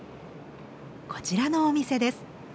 こちらのお店です。